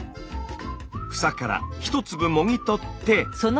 房から１粒もぎ取って。